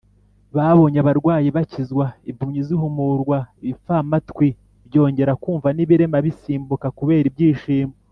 babonye abarwayi bakizwa, impumyi zihumurwa, ibipfamatwi byongera kumva, n’ibirema bisimbuka kubera ibyishimo